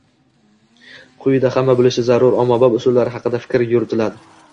Quyida hamma bilishi zarur, ommabop usullar haqida fikr yuritiladi.